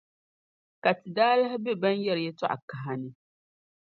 Ka ti daa lahi be ban yɛri yɛltɔɣa kaha ni.”